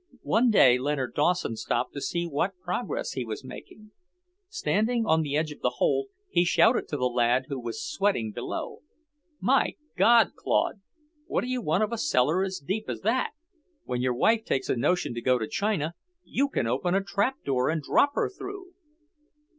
One day Leonard Dawson stopped to see what progress he was making. Standing on the edge of the hole, he shouted to the lad who was sweating below. "My God, Claude, what do you want of a cellar as deep as that? When your wife takes a notion to go to China, you can open a trap door and drop her through!"